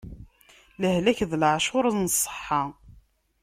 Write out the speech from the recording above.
Lehlak d laɛcuṛ n ṣṣeḥḥa.